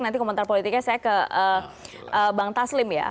nanti komentar politiknya saya ke bang taslim ya